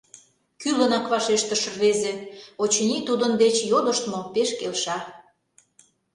- кӱлынак вашештыш рвезе, очыни, тудын деч йодыштмо пеш келша.